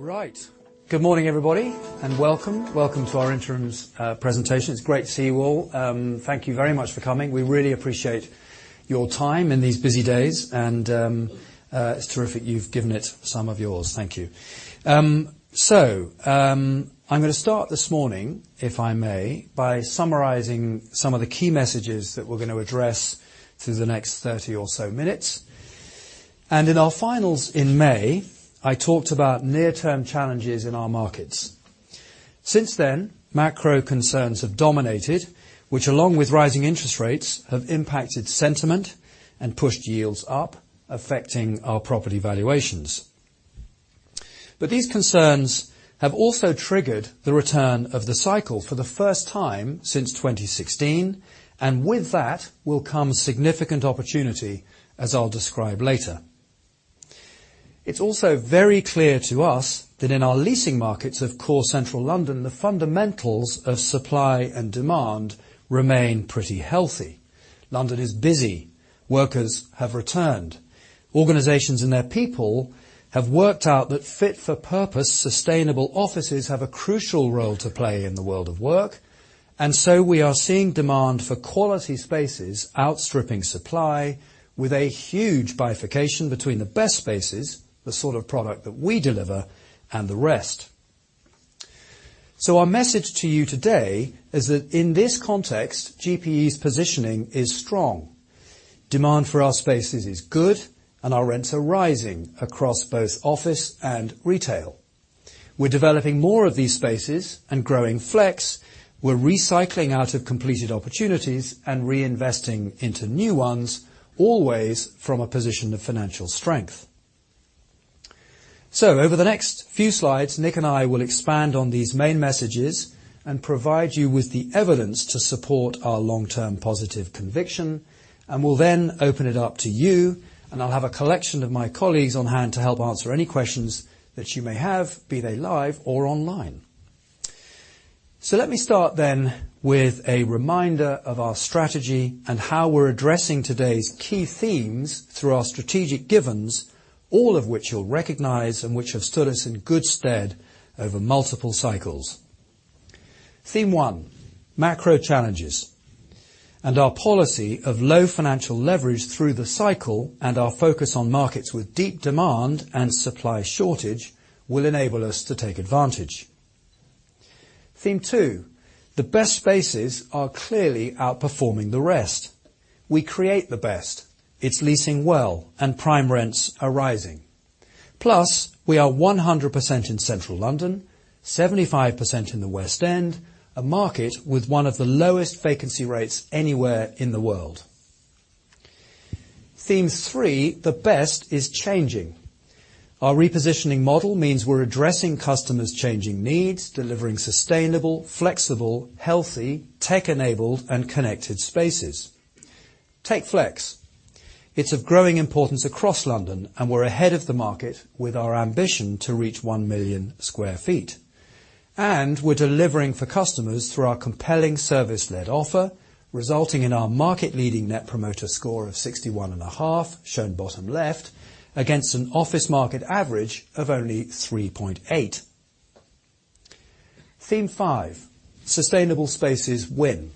Right. Good morning, everybody, and welcome. Welcome to our Interims Presentation. It's great to see you all. Thank you very much for coming. We really appreciate your time in these busy days, and it's terrific you've given it some of yours. Thank you. So, I'm gonna start this morning, if I may, by summarizing some of the key messages that we're gonna address through the next 30 or so minutes. In our finals in May, I talked about near-term challenges in our markets. Since then, macro concerns have dominated, which, along with rising interest rates, have impacted sentiment and pushed yields up, affecting our property valuations. But these concerns have also triggered the return of the cycle for the first time since 2016, and with that will come significant opportunity, as I'll describe later. It's also very clear to us that in our leasing markets of core Central London, the fundamentals of supply and demand remain pretty healthy. London is busy. Workers have returned. Organizations and their people have worked out that fit-for-purpose, sustainable offices have a crucial role to play in the world of work. And so we are seeing demand for quality spaces outstripping supply, with a huge bifurcation between the best spaces, the sort of product that we deliver, and the rest. So our message to you today is that in this context, GPE's positioning is strong. Demand for our spaces is good, and our rents are rising across both office and retail. We're developing more of these spaces and growing flex. We're recycling out of completed opportunities and reinvesting into new ones, always from a position of financial strength. So over the next few slides, Nick and I will expand on these main messages and provide you with the evidence to support our long-term positive conviction, and we'll then open it up to you, and I'll have a collection of my colleagues on-hand to help answer any questions that you may have, be they live or online. So let me start then with a reminder of our strategy and how we're addressing today's key themes through our strategic givens, all of which you'll recognize and which have stood us in good stead over multiple cycles. Theme one: macro challenges, and our policy of low financial leverage through the cycle and our focus on markets with deep demand and supply shortage will enable us to take advantage. Theme two: the best spaces are clearly outperforming the rest. We create the best, it's leasing well, and prime rents are rising. Plus, we are 100% in Central London, 75% in the West End, a market with one of the lowest vacancy rates anywhere in the world. Theme three: the best is changing. Our repositioning model means we're addressing customers' changing needs, delivering sustainable, flexible, healthy, tech-enabled, and connected spaces. Take flex. It's of growing importance across London, and we're ahead of the market with our ambition to reach 1 million sq ft. And we're delivering for customers through our compelling service-led offer, resulting in our market-leading Net Promoter Score of 61.5, shown bottom left, against an office market average of only 3.8. Theme five: sustainable spaces win.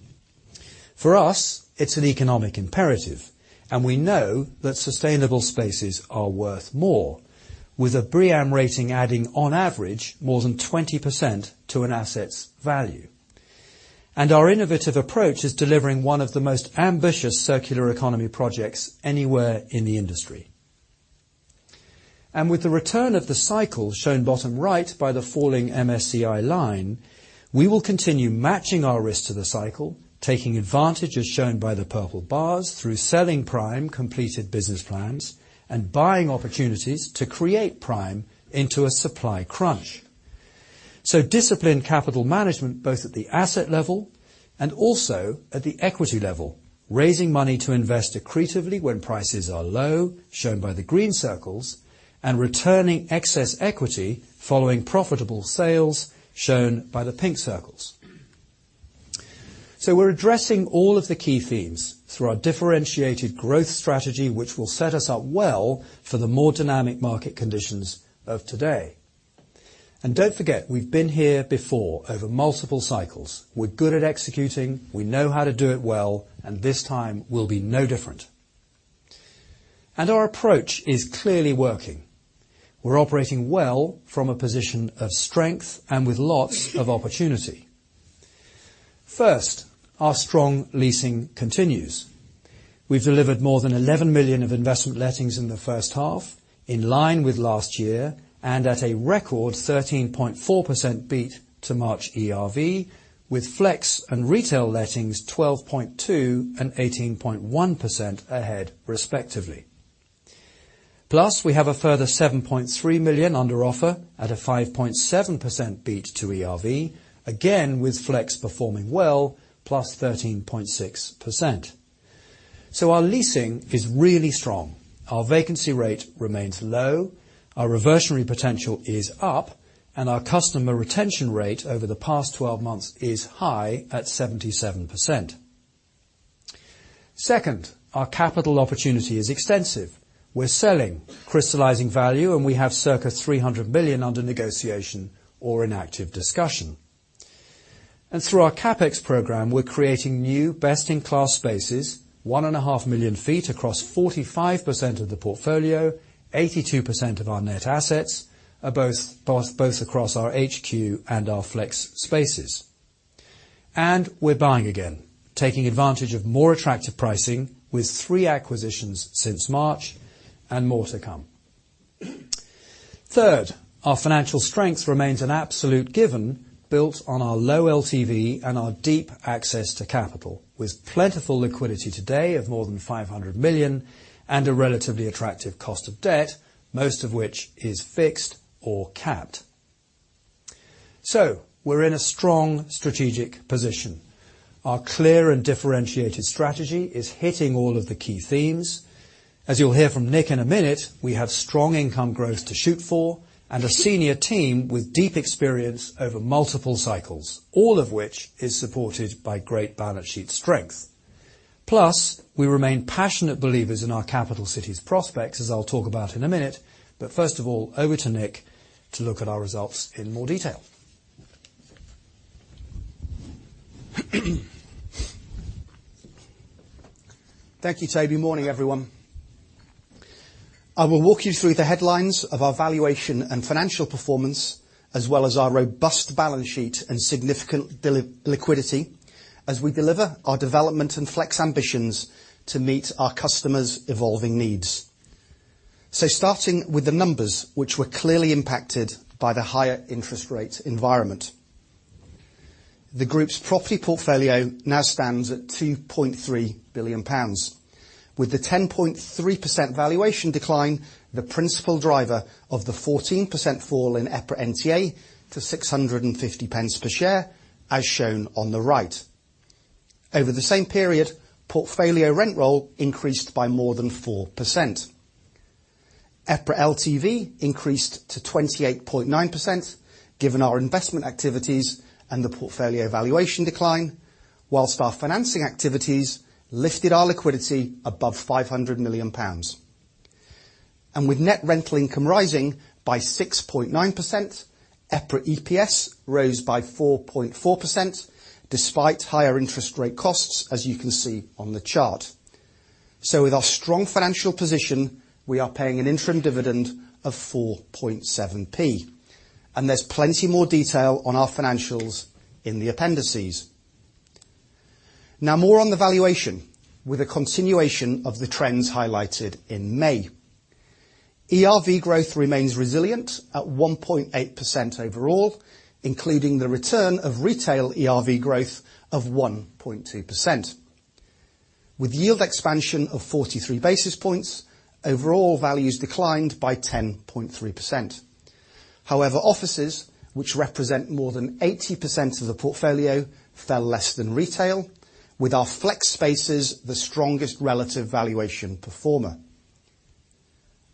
For us, it's an economic imperative, and we know that sustainable spaces are worth more, with a BREEAM rating adding, on average, more than 20% to an asset's value. Our innovative approach is delivering one of the most ambitious circular economy projects anywhere in the industry. With the return of the cycle, shown bottom right by the falling MSCI line, we will continue matching our risk to the cycle, taking advantage, as shown by the purple bars, through selling prime completed business plans and buying opportunities to create prime into a supply crunch. Disciplined capital management, both at the asset level and also at the equity level, raising money to invest accretively when prices are low, shown by the green circles, and returning excess equity following profitable sales, shown by the pink circles. We're addressing all of the key themes through our differentiated growth strategy, which will set us up well for the more dynamic market conditions of today. Don't forget, we've been here before over multiple cycles. We're good at executing, we know how to do it well, and this time will be no different. Our approach is clearly working. We're operating well from a position of strength and with lots of opportunity. First, our strong leasing continues. We've delivered more than 11 million of investment lettings in the first half, in line with last year, and at a record 13.4% beat to March ERV, with flex and retail lettings 12.2% and 18.1% ahead, respectively. Plus, we have a further 7.3 million under offer at a 5.7% beat to ERV, again, with flex performing well, +13.6%. Our leasing is really strong. Our vacancy rate remains low, our reversionary potential is up, and our customer retention rate over the past 12 months is high at 77%. Second, our capital opportunity is extensive. We're selling, crystallizing value, and we have circa 300 million under negotiation or in active discussion. Through our CapEx program, we're creating new, best-in-class spaces, 1.5 million sq ft across 45% of the portfolio, 82% of our net assets, are both, both, both across our HQ and our flex spaces. We're buying again, taking advantage of more attractive pricing with three acquisitions since March and more to come. Third, our financial strength remains an absolute given, built on our low LTV and our deep access to capital, with plentiful liquidity today of more than 500 million, and a relatively attractive cost of debt, most of which is fixed or capped. We're in a strong strategic position. Our clear and differentiated strategy is hitting all of the key themes. As you'll hear from Nick in a minute, we have strong income growth to shoot for and a senior team with deep experience over multiple cycles, all of which is supported by great balance sheet strength. Plus, we remain passionate believers in our capital city's prospects, as I'll talk about in a minute, but first of all, over to Nick to look at our results in more detail. Thank you, Toby. Morning, everyone. I will walk you through the headlines of our valuation and financial performance, as well as our robust balance sheet and significant liquidity, as we deliver our development and flex ambitions to meet our customers' evolving needs. So starting with the numbers, which were clearly impacted by the higher interest rate environment. The group's property portfolio now stands at 2.3 billion pounds, with the 10.3% valuation decline, the principal driver of the 14% fall in EPRA NTA to 650 pence per share, as shown on the right. Over the same period, portfolio rent roll increased by more than 4%. EPRA LTV increased to 28.9%, given our investment activities and the portfolio valuation decline, whilst our financing activities lifted our liquidity above 500 million pounds. With net rental income rising by 6.9%, EPRA EPS rose by 4.4%, despite higher interest rate costs, as you can see on the chart. With our strong financial position, we are paying an interim dividend of 0.047, and there's plenty more detail on our financials in the appendices. Now, more on the valuation, with a continuation of the trends highlighted in May. ERV growth remains resilient at 1.8% overall, including the return of retail ERV growth of 1.2%. With yield expansion of 43 basis points, overall values declined by 10.3%. However, offices, which represent more than 80% of the portfolio, fell less than retail, with our flex spaces the strongest relative valuation performer.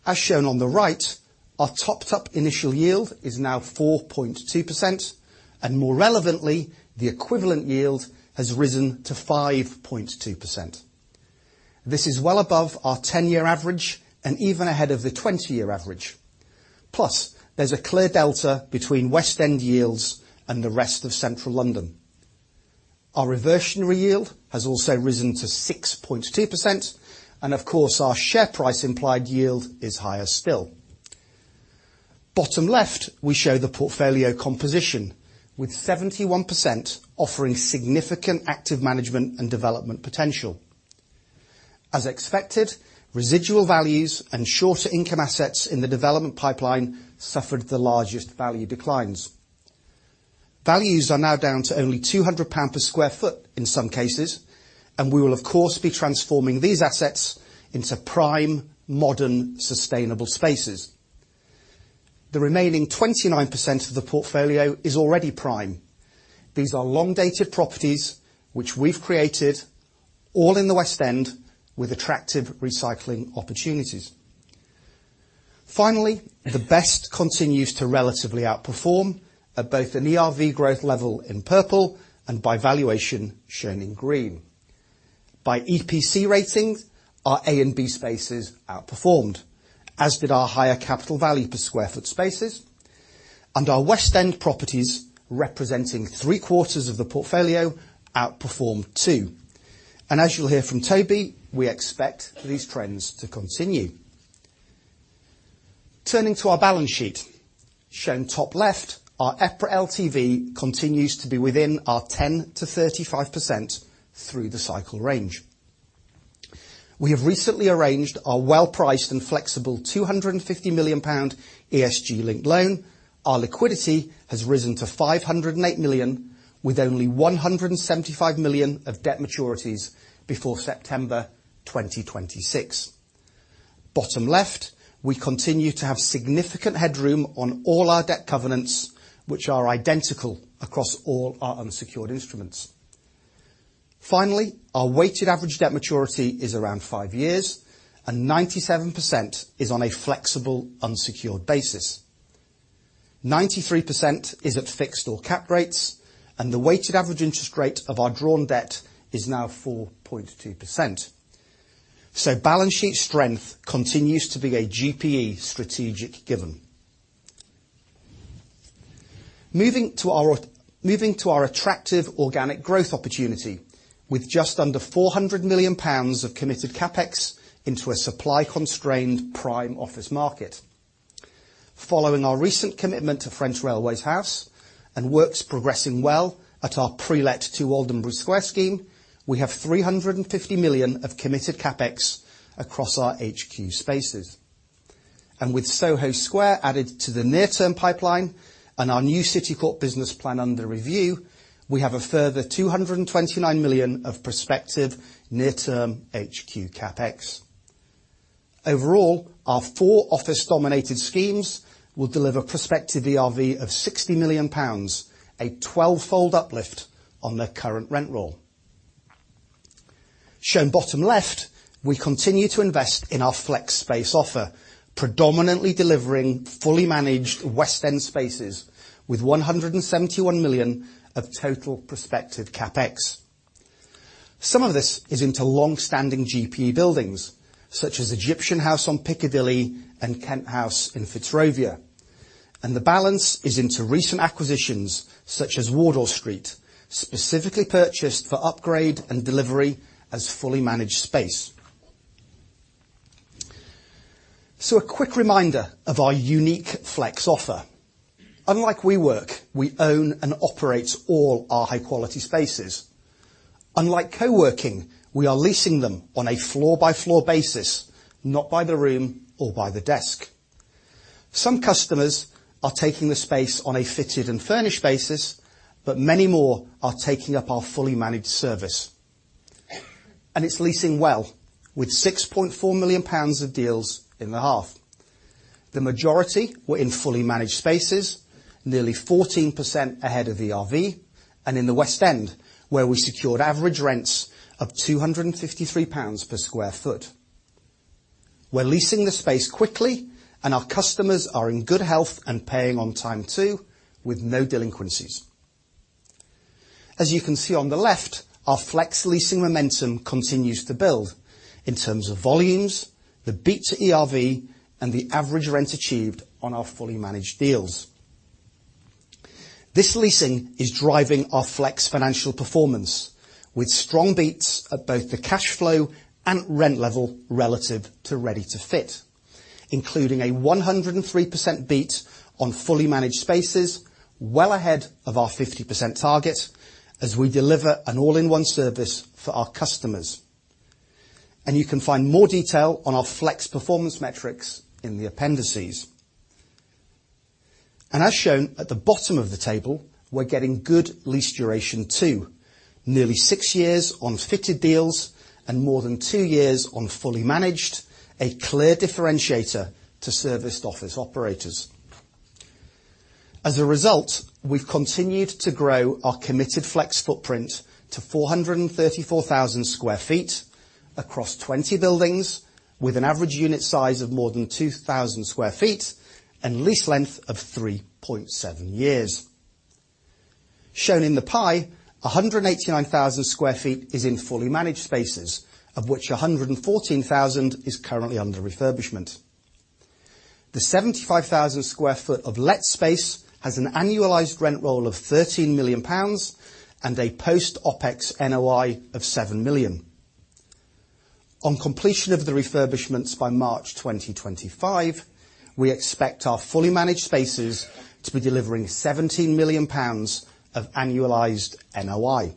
As shown on the right, our topped-up initial yield is now 4.2%, and more relevantly, the equivalent yield has risen to 5.2%. This is well above our 10-year average and even ahead of the 20-year average. Plus, there's a clear delta between West End yields and the rest of Central London. Our reversionary yield has also risen to 6.2%, and of course, our share price implied yield is higher still. Bottom left, we show the portfolio composition, with 71% offering significant active management and development potential. As expected, residual values and shorter income assets in the development pipeline suffered the largest value declines. Values are now down to only 200 pounds per sq ft in some cases, and we will, of course, be transforming these assets into prime, modern, sustainable spaces. The remaining 29% of the portfolio is already prime. These are long-dated properties, which we've created, all in the West End, with attractive recycling opportunities. Finally, the best continues to relatively outperform at both an ERV growth level in purple and by valuation shown in green. By EPC ratings, our A and B spaces outperformed, as did our higher capital value per square foot spaces, and our West End properties, representing three-quarters of the portfolio, outperformed, too. And as you'll hear from Toby, we expect these trends to continue. Turning to our balance sheet. Shown top left, our EPRA LTV continues to be within our 10%-35% through the cycle range. We have recently arranged our well-priced and flexible 250 million pound ESG-linked loan. Our liquidity has risen to 508 million, with only 175 million of debt maturities before September 2026. Bottom left, we continue to have significant headroom on all our debt covenants, which are identical across all our unsecured instruments. Finally, our weighted average debt maturity is around five years, and 97% is on a flexible, unsecured basis. 93% is at fixed or capped rates, and the weighted average interest rate of our drawn debt is now 4.2%. So balance sheet strength continues to be a GPE strategic given. Moving to our, moving to our attractive organic growth opportunity, with just under 400 million pounds of committed CapEx into a supply-constrained prime office market. Following our recent commitment to French Railways House and works progressing well at our pre-let 2 Aldermanbury Square scheme, we have 350 million of committed CapEx across our HQ spaces. With Soho Square added to the near-term pipeline and our New City Court business plan under review, we have a further 229 million of prospective near-term HQ CapEx. Overall, our four office-dominated schemes will deliver prospective ERV of 60 million pounds, a 12-fold uplift on their current rent roll. Shown bottom left, we continue to invest in our flex space offer, predominantly delivering fully managed West End spaces with 171 million of total prospective CapEx. Some of this is into long-standing GPE buildings, such as Egyptian House on Piccadilly and Kent House in Fitzrovia, and the balance is into recent acquisitions, such as Wardour Street, specifically purchased for upgrade and delivery as fully managed space. So a quick reminder of our unique flex offer. Unlike WeWork, we own and operate all our high-quality spaces. Unlike co-working, we are leasing them on a floor-by-floor basis, not by the room or by the desk. Some customers are taking the space on a fitted and furnished basis, but many more are taking up our fully managed service. And it's leasing well, with 6.4 million pounds of deals in the half. The majority were in fully managed spaces, nearly 14% ahead of ERV, and in the West End, where we secured average rents of 253 pounds per sq ft. We're leasing the space quickly, and our customers are in good health and paying on time, too, with no delinquencies. As you can see on the left, our flex leasing momentum continues to build in terms of volumes, the beat to ERV, and the average rent achieved on our fully managed deals. This leasing is driving our flex financial performance, with strong beats at both the cash flow and rent level relative to ready-to-fit, including a 103% beat on fully managed spaces, well ahead of our 50% target, as we deliver an all-in-one service for our customers. You can find more detail on our flex performance metrics in the appendices. As shown at the bottom of the table, we're getting good lease duration, too. Nearly six years on fitted deals and more than two years on fully managed, a clear differentiator to serviced office operators. As a result, we've continued to grow our committed flex footprint to 434,000 sq ft across 20 buildings with an average unit size of more than 2,000 sq ft and lease length of 3.7 years. Shown in the pie, 189,000 sq ft is in fully managed spaces, of which 114,000 is currently under refurbishment. The 75,000 sq ft of let space has an annualized rent roll of 13 million pounds and a post-OpEx NOI of 7 million. On completion of the refurbishments by March 2025, we expect our fully managed spaces to be delivering 17 million pounds of annualized NOI.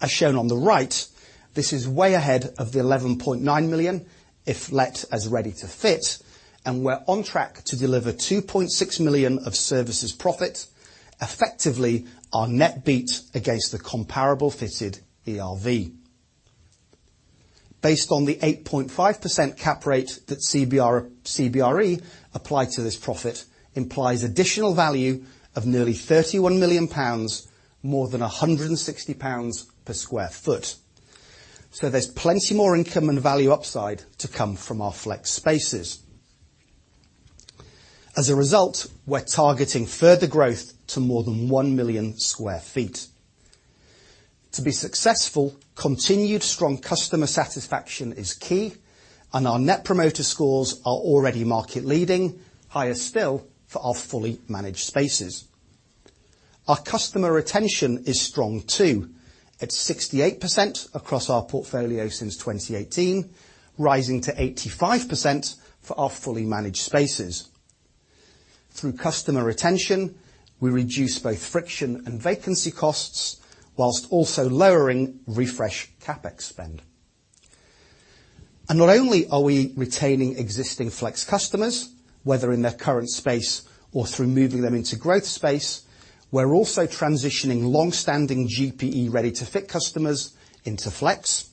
As shown on the right, this is way ahead of the 11.9 million, if let as ready to fit, and we're on track to deliver 2.6 million of services profit, effectively our net beat against the comparable fitted ERV. Based on the 8.5% cap rate that CBRE applied to this profit, implies additional value of nearly 31 million pounds, more than 160 pounds per sq ft. So there's plenty more income and value upside to come from our flex spaces. As a result, we're targeting further growth to more than 1 million sq ft. To be successful, continued strong customer satisfaction is key, and our net promoter scores are already market leading, higher still for our fully managed spaces. Our customer retention is strong, too, at 68% across our portfolio since 2018, rising to 85% for our fully managed spaces. Through customer retention, we reduce both friction and vacancy costs whilst also lowering refresh CapEx spend. And not only are we retaining existing flex customers, whether in their current space or through moving them into growth space, we're also transitioning long-standing GPE ready-to-fit customers into flex,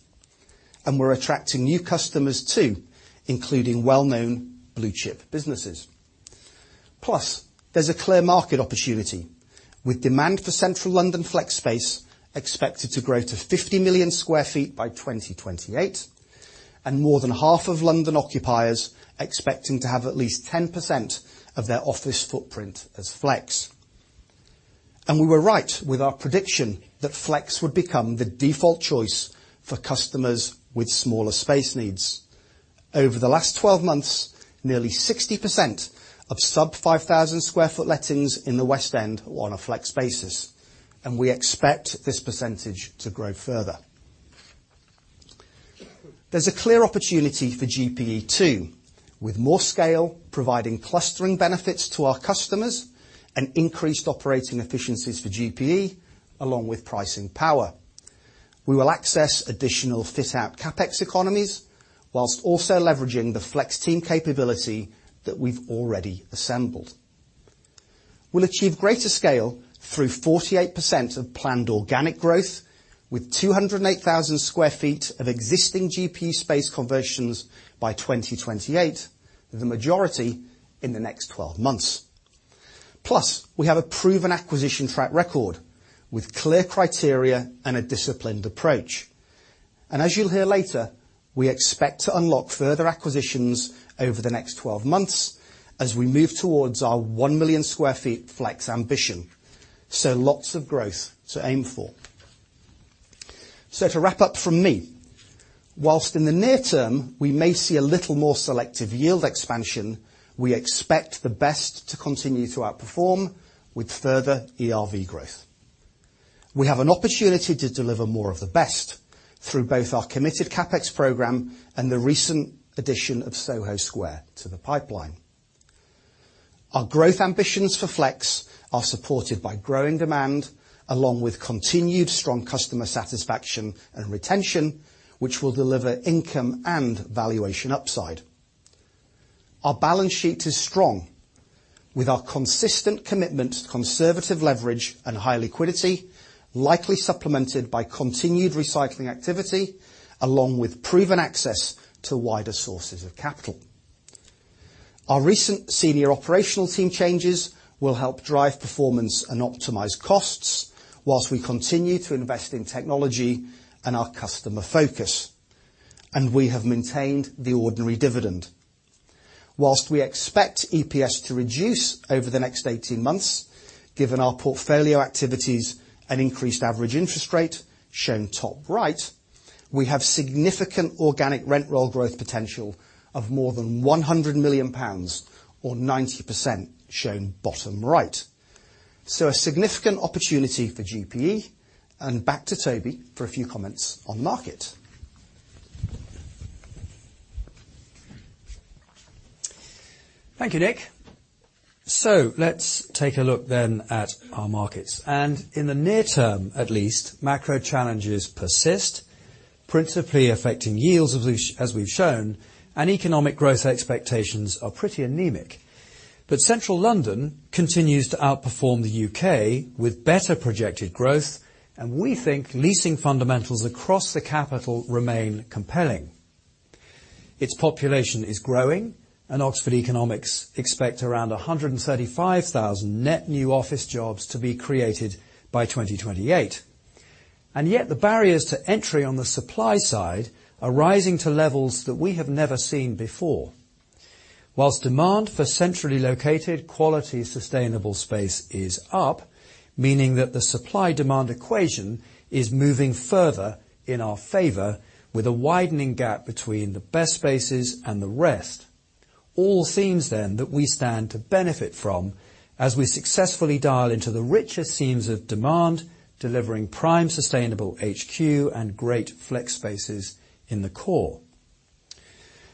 and we're attracting new customers, too, including well-known blue chip businesses. Plus, there's a clear market opportunity... with demand for Central London flex space expected to grow to 50 million sq ft by 2028, and more than half of London occupiers expecting to have at least 10% of their office footprint as flex. And we were right with our prediction that flex would become the default choice for customers with smaller space needs. Over the last 12 months, nearly 60% of sub-5,000 sq ft lettings in the West End were on a flex basis, and we expect this percentage to grow further. There's a clear opportunity for GPE, too, with more scale providing clustering benefits to our customers and increased operating efficiencies for GPE, along with pricing power. We will access additional fit-out CapEx economies, while also leveraging the flex team capability that we've already assembled. We'll achieve greater scale through 48% of planned organic growth, with 208,000 sq ft of existing GPE space conversions by 2028, the majority in the next 12 months. Plus, we have a proven acquisition track record, with clear criteria and a disciplined approach. As you'll hear later, we expect to unlock further acquisitions over the next 12 months as we move towards our 1 million sq ft flex ambition. Lots of growth to aim for. To wrap up from me, while in the near term we may see a little more selective yield expansion, we expect the best to continue to outperform with further ERV growth. We have an opportunity to deliver more of the best through both our committed CapEx program and the recent addition of Soho Square to the pipeline. Our growth ambitions for flex are supported by growing demand, along with continued strong customer satisfaction and retention, which will deliver income and valuation upside. Our balance sheet is strong, with our consistent commitment to conservative leverage and high liquidity, likely supplemented by continued recycling activity, along with proven access to wider sources of capital. Our recent senior operational team changes will help drive performance and optimize costs, while we continue to invest in technology and our customer focus, and we have maintained the ordinary dividend. While we expect EPS to reduce over the next 18 months, given our portfolio activities and increased average interest rate, shown top right, we have significant organic rent roll growth potential of more than 100 million pounds or 90%, shown bottom right. So a significant opportunity for GPE. And back to Toby for a few comments on market. Thank you, Nick. So let's take a look then at our markets. In the near term, at least, macro challenges persist, principally affecting yields, as we've, as we've shown, and economic growth expectations are pretty anemic. Central London continues to outperform the U.K. with better projected growth, and we think leasing fundamentals across the capital remain compelling. Its population is growing, and Oxford Economics expects around 135,000 net new office jobs to be created by 2028. Yet the barriers to entry on the supply side are rising to levels that we have never seen before. While demand for centrally located, quality, sustainable space is up, meaning that the supply-demand equation is moving further in our favor, with a widening gap between the best spaces and the rest. All themes then that we stand to benefit from as we successfully dial into the richer themes of demand, delivering prime sustainable HQ and great flex spaces in the core.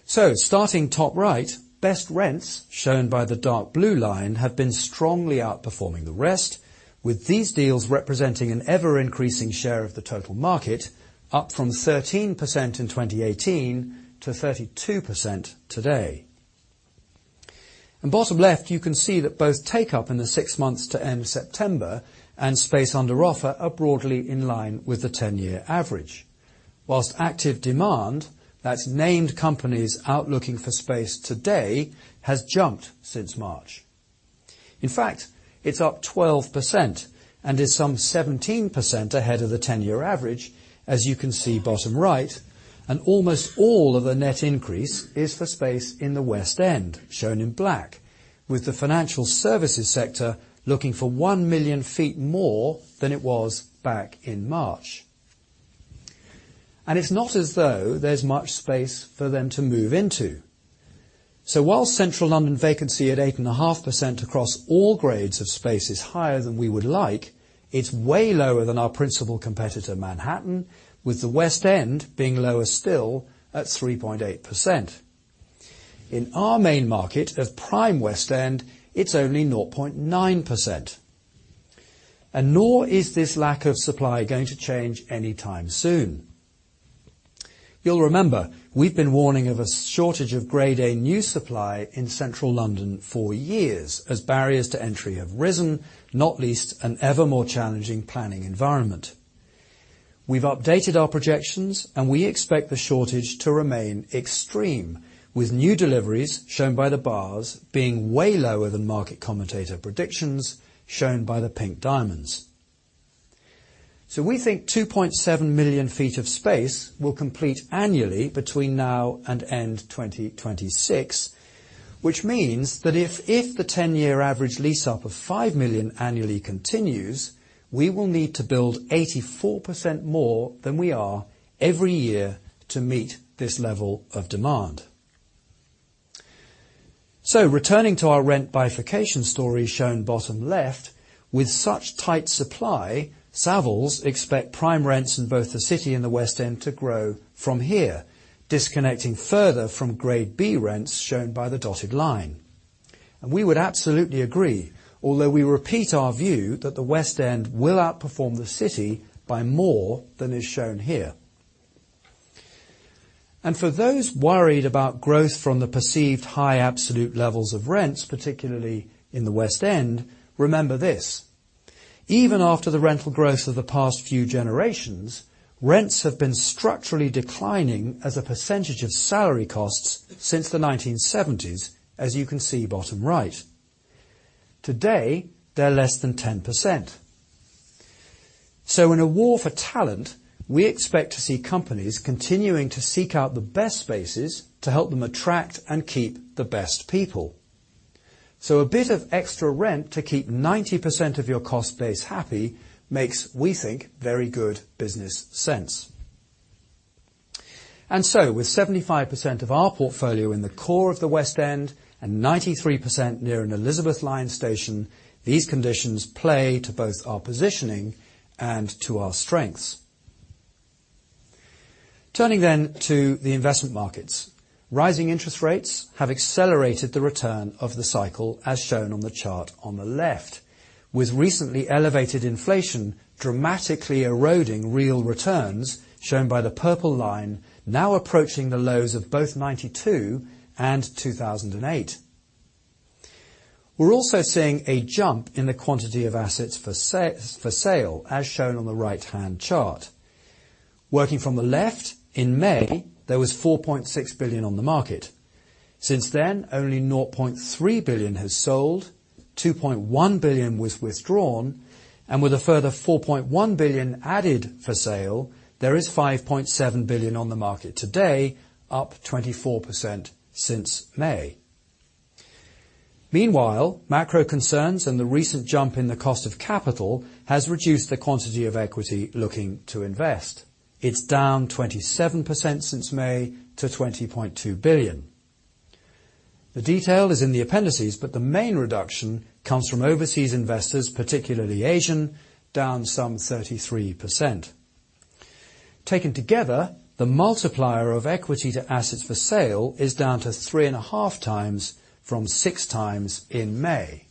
So starting top right, best rents, shown by the dark blue line, have been strongly outperforming the rest, with these deals representing an ever-increasing share of the total market, up from 13% in 2018 to 32% today. In bottom left, you can see that both takeup in the six months to end September and space under offer are broadly in line with the 10-year average. While active demand, that's named companies out looking for space today, has jumped since March. In fact, it's up 12% and is some 17% ahead of the ten-year average, as you can see bottom right, and almost all of the net increase is for space in the West End, shown in black, with the financial services sector looking for 1 million ft more than it was back in March. And it's not as though there's much space for them to move into. So whilst Central London vacancy at 8.5% across all grades of space is higher than we would like, it's way lower than our principal competitor, Manhattan, with the West End being lower still, at 3.8%. In our main market of Prime West End, it's only 0.9%. And nor is this lack of supply going to change anytime soon. You'll remember, we've been warning of a shortage of Grade A new supply in Central London for years as barriers to entry have risen, not least an ever more challenging planning environment... We've updated our projections, and we expect the shortage to remain extreme, with new deliveries, shown by the bars, being way lower than market commentator predictions, shown by the pink diamonds. So we think 2.7 million sq ft of space will complete annually between now and end 2026, which means that if the 10-year average lease-up of 5 million sq ft annually continues, we will need to build 84% more than we are every year to meet this level of demand. Returning to our rent bifurcation story shown bottom left, with such tight supply, Savills expect prime rents in both the City and the West End to grow from here, disconnecting further from Grade B rents, shown by the dotted line. We would absolutely agree, although we repeat our view that the West End will outperform the City by more than is shown here. For those worried about growth from the perceived high absolute levels of rents, particularly in the West End, remember this: Even after the rental growth of the past few generations, rents have been structurally declining as a percentage of salary costs since the 1970s, as you can see, bottom right. Today, they're less than 10%. In a war for talent, we expect to see companies continuing to seek out the best spaces to help them attract and keep the best people. So a bit of extra rent to keep 90% of your cost base happy makes, we think, very good business sense. And so, with 75% of our portfolio in the core of the West End and 93% near an Elizabeth Line station, these conditions play to both our positioning and to our strengths. Turning then to the investment markets. Rising interest rates have accelerated the return of the cycle, as shown on the chart on the left, with recently elevated inflation dramatically eroding real returns, shown by the purple line, now approaching the lows of both 1992 and 2008. We're also seeing a jump in the quantity of assets for sale, as shown on the right-hand chart. Working from the left, in May, there was 4.6 billion on the market. Since then, only 0.3 billion has sold, 2.1 billion was withdrawn, and with a further 4.1 billion added for sale, there is 5.7 billion on the market today, up 24% since May. Meanwhile, macro concerns and the recent jump in the cost of capital has reduced the quantity of equity looking to invest. It's down 27% since May to 20.2 billion. The detail is in the appendices, but the main reduction comes from overseas investors, particularly Asian, down some 33%. Taken together, the multiplier of equity to assets for sale is down to 3.5x from 6x in May.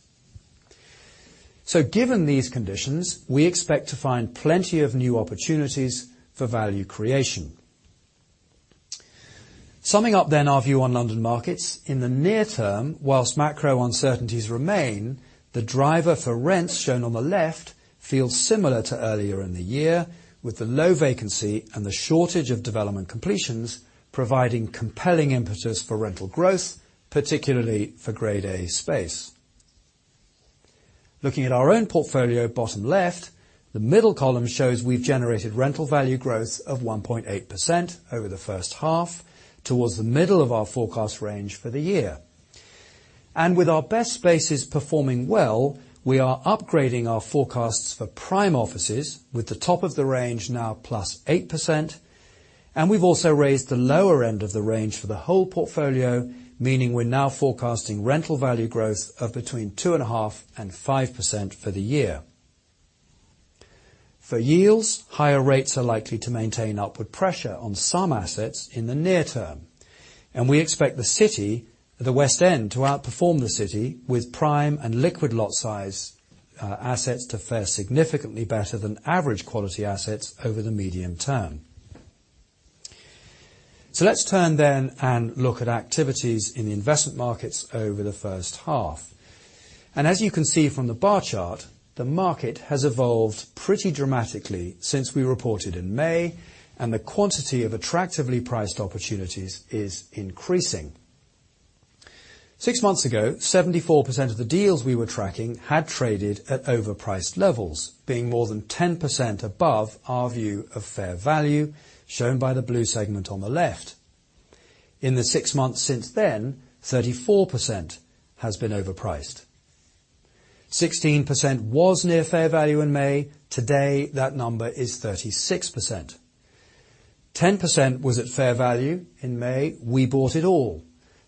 So given these conditions, we expect to find plenty of new opportunities for value creation. Summing up then, our view on London markets, in the near term, while macro uncertainties remain, the driver for rents, shown on the left, feels similar to earlier in the year, with the low vacancy and the shortage of development completions providing compelling impetus for rental growth, particularly for Grade A space. Looking at our own portfolio, bottom left, the middle column shows we've generated rental value growth of 1.8% over the first half towards the middle of our forecast range for the year. And with our best spaces performing well, we are upgrading our forecasts for prime offices, with the top of the range now +8%, and we've also raised the lower end of the range for the whole portfolio, meaning we're now forecasting rental value growth of between 2.5% and 5% for the year. For yields, higher rates are likely to maintain upward pressure on some assets in the near term, and we expect the City, the West End to outperform the City, with prime and liquid lot size assets to fare significantly better than average quality assets over the medium term. Let's turn then and look at activities in the investment markets over the first half. As you can see from the bar chart, the market has evolved pretty dramatically since we reported in May, and the quantity of attractively priced opportunities is increasing. Six months ago, 74% of the deals we were tracking had traded at overpriced levels, being more than 10% above our view of fair value, shown by the blue segment on the left. In the six months since then, 34% has been overpriced. 16% was near fair value in May. Today, that number is 36%. 10% was at fair value in May. We bought it all.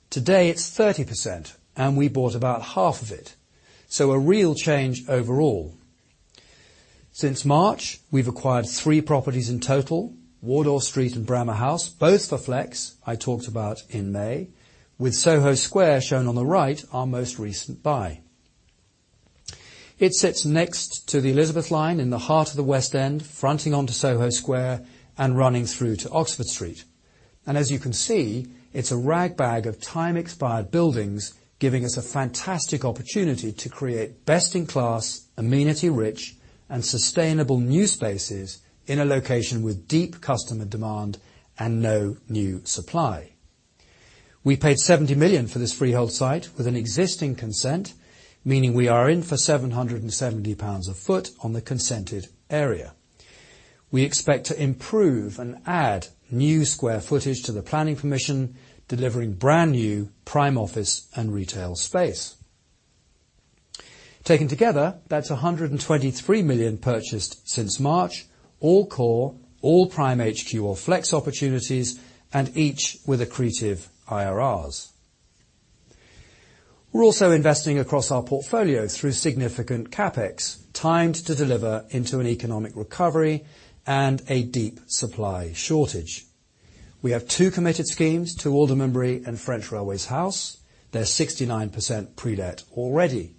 Today, it's 30%, and we bought about half of it, so a real change overall. Since March, we've acquired three properties in total: Wardour Street and Bramah House, both for flex I talked about in May, with Soho Square, shown on the right, our most recent buy. It sits next to the Elizabeth Line in the heart of the West End, fronting onto Soho Square and running through to Oxford Street. As you can see, it's a ragbag of time-expired buildings, giving us a fantastic opportunity to create best-in-class, amenity-rich, and sustainable new spaces in a location with deep customer demand and no new supply. We paid 70 million for this freehold site with an existing consent, meaning we are in for 770 pounds a foot on the consented area. We expect to improve and add new square footage to the planning permission, delivering brand-new prime office and retail space. Taken together, that's 123 million purchased since March, all core, all prime HQ or flex opportunities, and each with accretive IRRs. We're also investing across our portfolio through significant CapEx, timed to deliver into an economic recovery and a deep supply shortage. We have two committed schemes, 2 Aldermanbury and French Railways House. They're 69% pre-let already.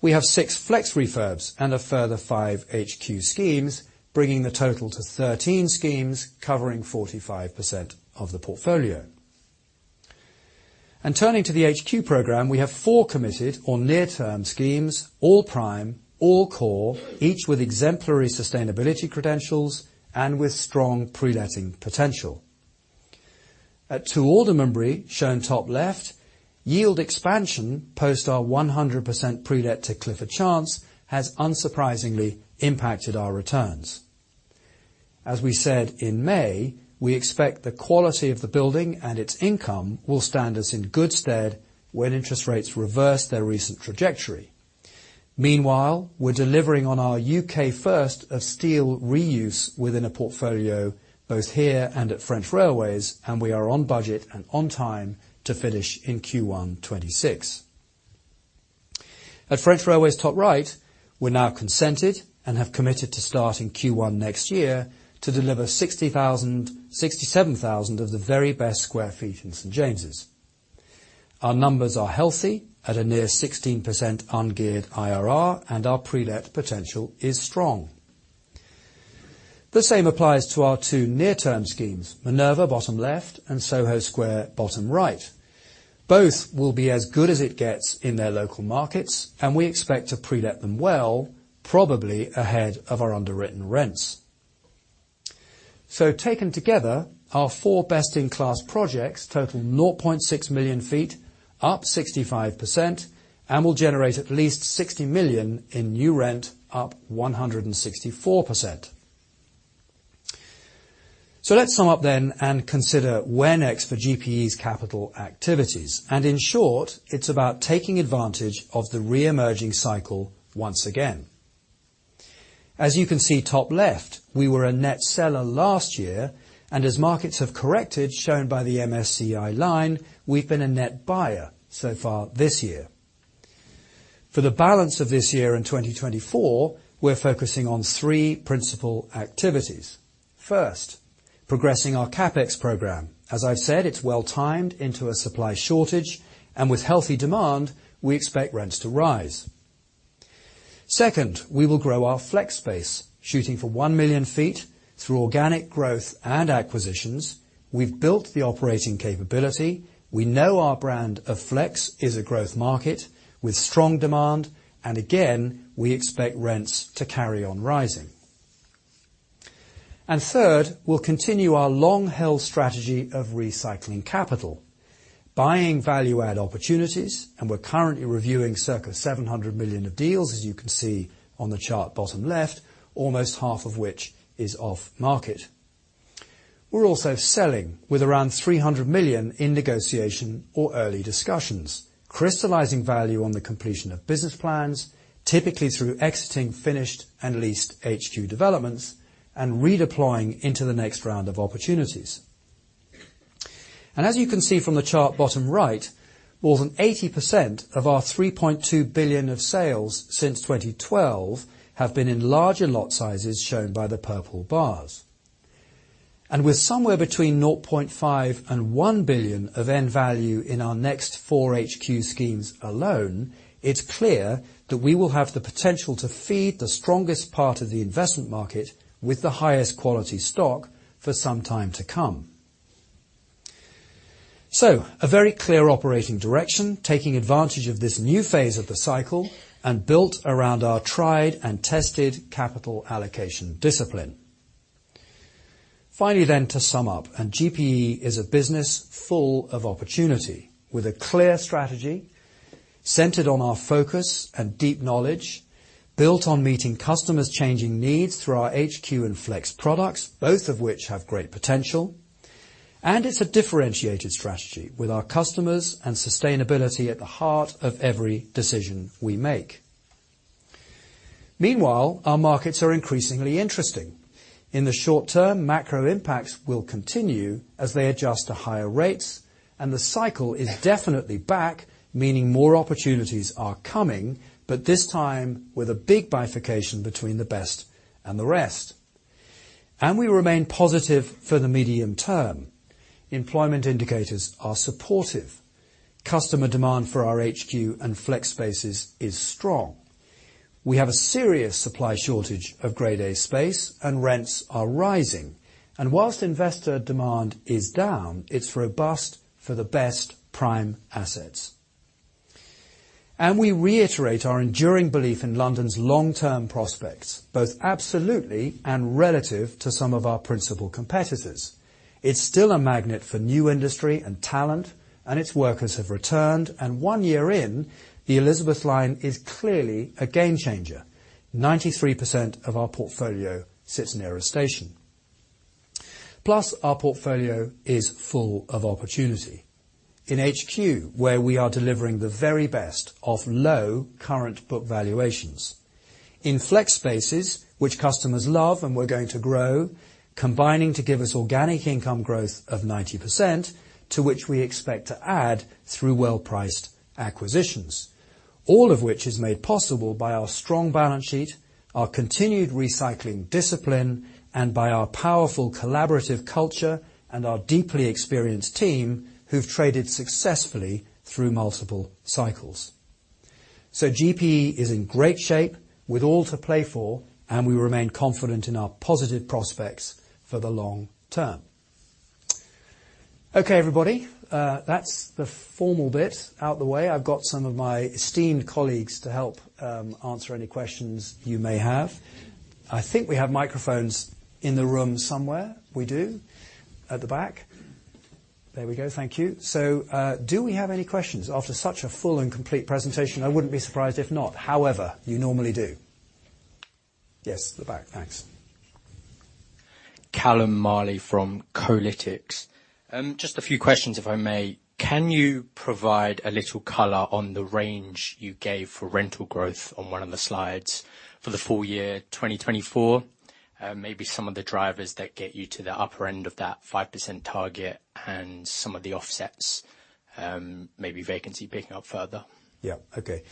We have six flex refurbs and a further five HQ schemes, bringing the total to 13 schemes, covering 45% of the portfolio. Turning to the HQ program, we have four committed or near-term schemes, all prime, all core, each with exemplary sustainability credentials and with strong preletting potential. At 2 Aldermanbury, shown top left, yield expansion post our 100% pre-let to Clifford Chance has unsurprisingly impacted our returns. As we said in May, we expect the quality of the building and its income will stand us in good stead when interest rates reverse their recent trajectory. Meanwhile, we're delivering on our UK first of steel reuse within a portfolio, both here and at French Railways, and we are on budget and on time to finish in Q1 2026. At French Railways, top right, we're now consented and have committed to start in Q1 next year to deliver 67,000 of the very best sq ft in St James's. Our numbers are healthy at a near 16% ungeared IRR, and our prelet potential is strong. The same applies to our two near-term schemes, Minerva, bottom left, and Soho Square, bottom right. Both will be as good as it gets in their local markets, and we expect to prelet them well, probably ahead of our underwritten rents. So taken together, our four best-in-class projects total 0.6 million ft, up 65%, and will generate at least 60 million in new rent, up 164%. So let's sum up then and consider where next for GPE's capital activities, and in short, it's about taking advantage of the re-emerging cycle once again. As you can see, top left, we were a net seller last year, and as markets have corrected, shown by the MSCI line, we've been a net buyer so far this year. For the balance of this year in 2024, we're focusing on three principal activities. First, progressing our CapEx program. As I've said, it's well-timed into a supply shortage, and with healthy demand, we expect rents to rise. Second, we will grow our flex space, shooting for 1 million sq ft through organic growth and acquisitions. We've built the operating capability. We know our brand of flex is a growth market with strong demand, and again, we expect rents to carry on rising. And third, we'll continue our long-held strategy of recycling capital, buying value-add opportunities, and we're currently reviewing circa 700 million of deals, as you can see on the chart, bottom left, almost half of which is off-market. We're also selling with around 300 million in negotiation or early discussions, crystallizing value on the completion of business plans, typically through exiting finished and leased HQ developments and redeploying into the next round of opportunities. And as you can see from the chart, bottom right, more than 80% of our 3.2 billion of sales since 2012 have been in larger lot sizes, shown by the purple bars. And with somewhere between 0.5 billion and 1 billion of end value in our next four HQ schemes alone, it's clear that we will have the potential to feed the strongest part of the investment market with the highest quality stock for some time to come. So a very clear operating direction, taking advantage of this new phase of the cycle and built around our tried and tested capital allocation discipline. Finally, then, to sum up, and GPE is a business full of opportunity, with a clear strategy centered on our focus and deep knowledge, built on meeting customers' changing needs through our HQ and flex products, both of which have great potential. And it's a differentiated strategy with our customers and sustainability at the heart of every decision we make. Meanwhile, our markets are increasingly interesting. In the short term, macro impacts will continue as they adjust to higher rates, and the cycle is definitely back, meaning more opportunities are coming, but this time with a big bifurcation between the best and the rest. And we remain positive for the medium term. Employment indicators are supportive. Customer demand for our HQ and flex spaces is strong. We have a serious supply shortage of Grade A space, and rents are rising. Whilst investor demand is down, it's robust for the best prime assets. We reiterate our enduring belief in London's long-term prospects, both absolutely and relative to some of our principal competitors. It's still a magnet for new industry and talent, and its workers have returned, and one year in, the Elizabeth Line is clearly a game changer. 93% of our portfolio sits near a station. Plus, our portfolio is full of opportunity. In HQ, where we are delivering the very best of low current book valuations. In flex spaces, which customers love, and we're going to grow, combining to give us organic income growth of 90%, to which we expect to add through well-priced acquisitions. All of which is made possible by our strong balance sheet, our continued recycling discipline, and by our powerful collaborative culture and our deeply experienced team, who've traded successfully through multiple cycles. So GPE is in great shape, with all to play for, and we remain confident in our positive prospects for the long term. Okay, everybody, that's the formal bit out the way. I've got some of my esteemed colleagues to help, answer any questions you may have. I think we have microphones in the room somewhere. We do, at the back. There we go. Thank you. So, do we have any questions? After such a full and complete presentation, I wouldn't be surprised if not. However, you normally do. Yes, the back. Thanks. Callum Marley Kolytics. Just a few questions, if I may. Can you provide a little color on the range you gave for rental growth on one of the slides for the full year, 2024? Maybe some of the drivers that get you to the upper end of that 5% target and some of the offsets, maybe vacancy picking up further. Yeah. Okay.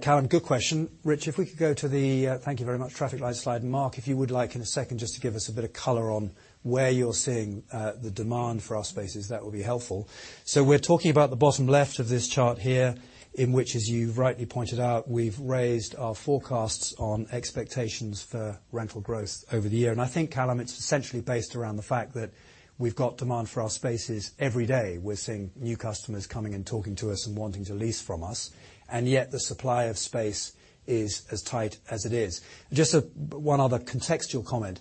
Callum, good question. Rich, if we could go to the... Thank you very much, traffic light slide. Marc, if you would like, in a second, just to give us a bit of color on where you're seeing the demand for our spaces, that would be helpful. So we're talking about the bottom left of this chart here, in which, as you've rightly pointed out, we've raised our forecasts on expectations for rental growth over the year. And I think, Callum, it's essentially based around the fact that we've got demand for our spaces every day. We're seeing new customers coming and talking to us and wanting to lease from us, and yet the supply of space is as tight as it is. Just one other contextual comment.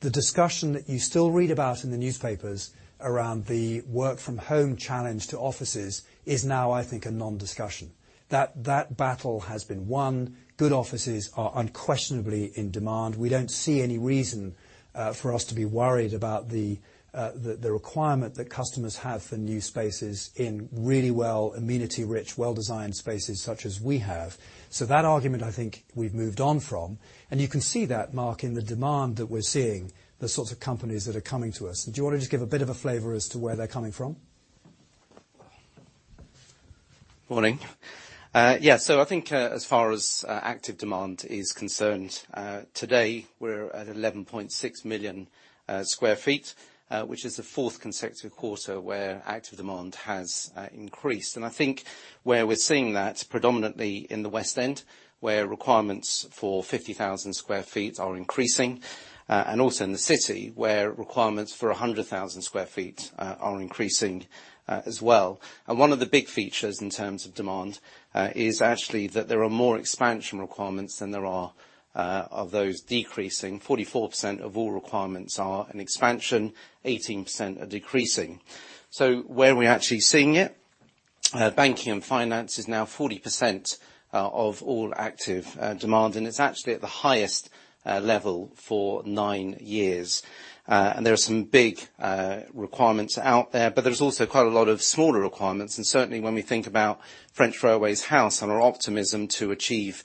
The discussion that you still read about in the newspapers around the work-from-home challenge to offices is now, I think, a non-discussion. That battle has been won. Good offices are unquestionably in demand. We don't see any reason for us to be worried about the requirement that customers have for new spaces in really well, amenity-rich, well-designed spaces such as we have. So that argument, I think, we've moved on from, and you can see that, Marc, in the demand that we're seeing, the sorts of companies that are coming to us. Do you want to just give a bit of a flavor as to where they're coming from? Morning. Yeah, so I think, as far as active demand is concerned, today, we're at 11.6 million sq ft, which is the fourth consecutive quarter where active demand has increased. I think where we're seeing that, predominantly in the West End, where requirements for 50,000 sq ft are increasing, and also in the City, where requirements for 100,000 sq ft are increasing, as well. One of the big features in terms of demand is actually that there are more expansion requirements than there are of those decreasing. 44% of all requirements are an expansion, 18% are decreasing. So where are we actually seeing it? Banking and finance is now 40% of all active demand, and it's actually at the highest level for nine years. And there are some big requirements out there, but there's also quite a lot of smaller requirements. And certainly, when we think about French Railways House and our optimism to achieve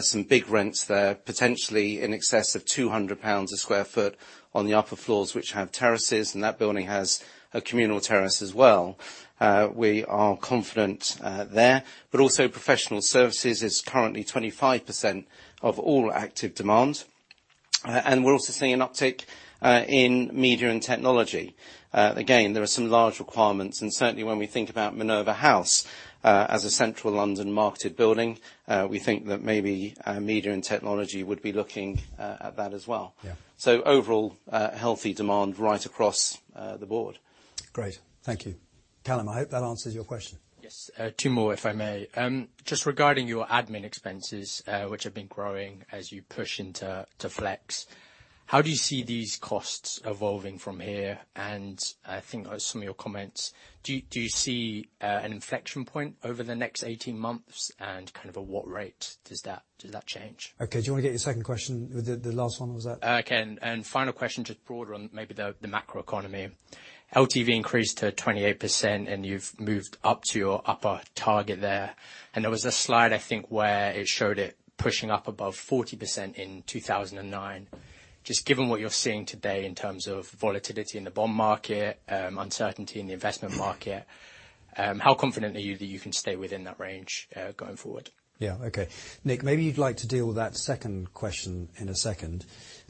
some big rents there, potentially in excess of 200 pounds per sq ft on the upper floors, which have terraces, and that building has a communal terrace as well, we are confident there. But also, professional services is currently 25% of all active demand, and we're also seeing an uptick in media and technology. Again, there are some large requirements, and certainly when we think about Minerva House, as a Central London-marketed building, we think that maybe media and technology would be looking at that as well. Yeah. Overall, healthy demand right across the board. Great. Thank you. Callum, I hope that answers your question. Yes, two more, if I may. Just regarding your admin expenses, which have been growing as you push into flex, how do you see these costs evolving from here? And I think some of your comments, do you see an inflection point over the next 18 months, and kind of at what rate does that change? Okay. Do you want to get your second question, the last one, was that- I can. And final question, just broader on maybe the macroeconomy. LTV increased to 28%, and you've moved up to your upper target there. And there was a slide, I think, where it showed it pushing up above 40% in 2009. Just given what you're seeing today in terms of volatility in the bond market, uncertainty in the investment market, how confident are you that you can stay within that range, going forward? Yeah. Okay. Nick, maybe you'd like to deal with that second question in a second.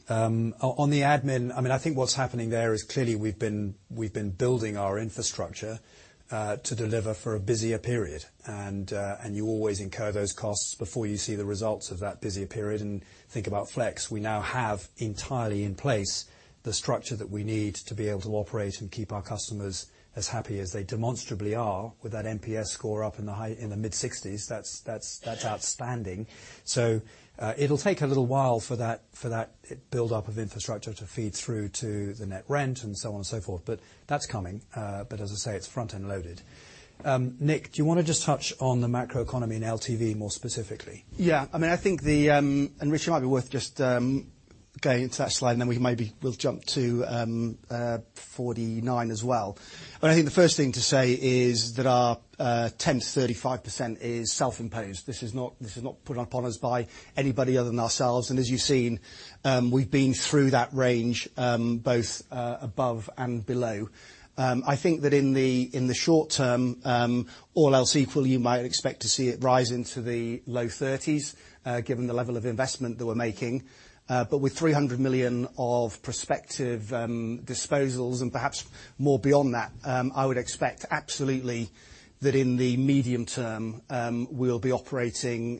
On the admin, I mean, I think what's happening there is, clearly, we've been building our infrastructure to deliver for a busier period, and you always incur those costs before you see the results of that busier period. And think about flex. We now have entirely in place the structure that we need to be able to operate and keep our customers as happy as they demonstrably are, with that NPS score up in the high in the mid-sixties. That's outstanding. So, it'll take a little while for that build-up of infrastructure to feed through to the net rent, and so on and so forth, but that's coming. But as I say, it's front-end loaded. Nick, do you want to just touch on the macroeconomy and LTV more specifically? Yeah. I mean, I think... And Richard, it might be worth just going into that slide, and then we maybe we'll jump to 49 as well. But I think the first thing to say is that our 10%-35% is self-imposed. This is not, this is not put upon us by anybody other than ourselves, and as you've seen, we've been through that range, both above and below. I think that in the short term, all else equal, you might expect to see it rise into the low 30s, given the level of investment that we're making. But with 300 million of prospective disposals and perhaps more beyond that, I would expect absolutely that in the medium term, we'll be operating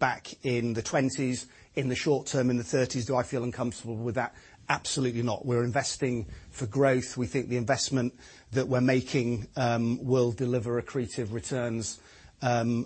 back in the 20s, in the short term, in the 30s. Do I feel uncomfortable with that? Absolutely not. We're investing for growth. We think the investment that we're making will deliver accretive returns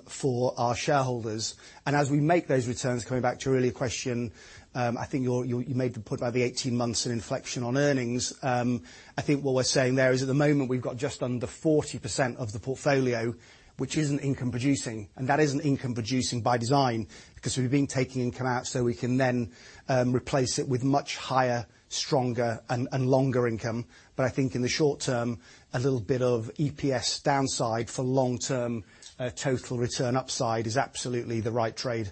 for our shareholders. And as we make those returns, coming back to your earlier question, I think you made the point about the 18 months of inflection on earnings. I think what we're saying there is, at the moment, we've got just under 40% of the portfolio, which isn't income producing, and that isn't income producing by design, because we've been taking income out, so we can then replace it with much higher, stronger, and longer income. But I think in the short term, a little bit of EPS downside for long-term total return upside is absolutely the right trade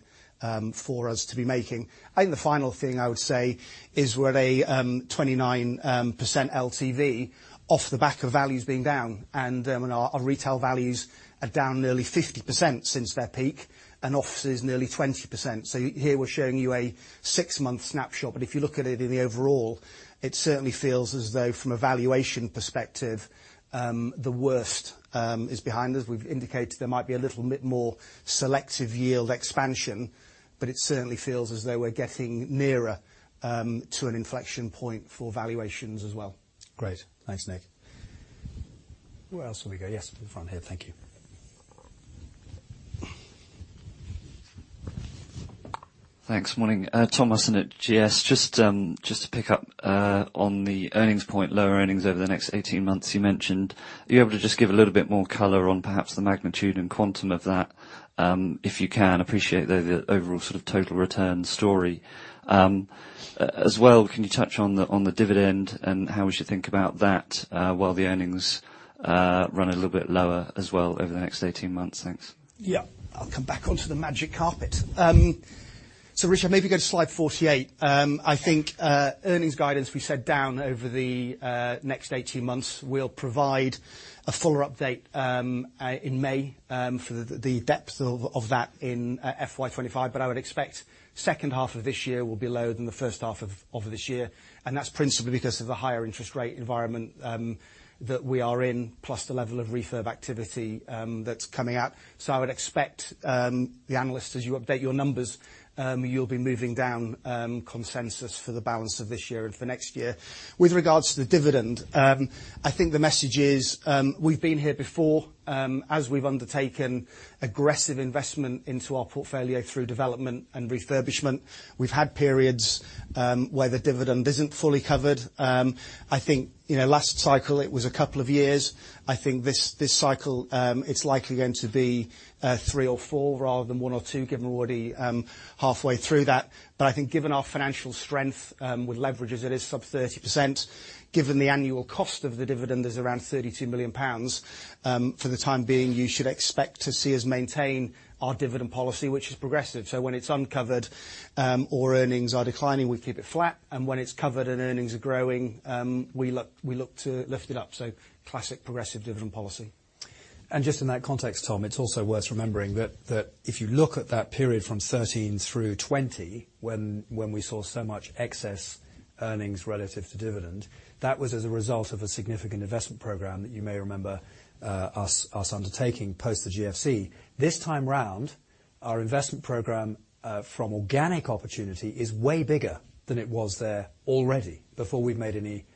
for us to be making. I think the final thing I would say is we're at a 29% LTV off the back of values being down, and our retail values are down nearly 50% since their peak, and offices, nearly 20%. So here, we're showing you a six-month snapshot, but if you look at it in the overall, it certainly feels as though, from a valuation perspective, the worst is behind us. We've indicated there might be a little bit more selective yield expansion, but it certainly feels as though we're getting nearer to an inflection point for valuations as well. Great! Thanks, Nick. Where else will we go? Yes, in the front here. Thank you. Thanks. Morning. Tom Wilson at GS. Just, just to pick up, on the earnings point, lower earnings over the next 18 months, you mentioned, are you able to just give a little bit more color on perhaps the magnitude and quantum of that, if you can? Appreciate, though, the overall sort of total return story. As well, can you touch on the, on the dividend and how we should think about that, while the earnings, run a little bit lower as well over the next 18 months? Thanks. Yeah. I'll come back onto the magic carpet. So Richard, maybe go to slide 48. I think, earnings guidance, we said, down over the next 18 months, we'll provide a fuller update, in May, for the depth of that in FY 2025. But I would expect second half of this year will be lower than the first half of this year, and that's principally because of the higher interest rate environment that we are in, plus the level of refurb activity that's coming out. So I would expect the analysts, as you update your numbers, you'll be moving down consensus for the balance of this year and for next year. With regards to the dividend, I think the message is, we've been here before, as we've undertaken aggressive investment into our portfolio through development and refurbishment. We've had periods, where the dividend isn't fully covered. I think, you know, last cycle it was a couple of years. I think this, this cycle, it's likely going to be, three or four rather than one or two, given we're already, halfway through that. But I think given our financial strength, with leverage as it is, sub 30%, given the annual cost of the dividend is around 32 million pounds, for the time being, you should expect to see us maintain our dividend policy, which is progressive. So when it's uncovered, or earnings are declining, we keep it flat, and when it's covered and earnings are growing, we look to lift it up. So classic progressive dividend policy. Just in that context, Tom, it's also worth remembering that if you look at that period from 2013 through 2020, when we saw so much excess earnings relative to dividend, that was as a result of a significant investment program that you may remember us undertaking post the GFC. This time round, our investment program from organic opportunity is way bigger than it was there already, before we've made any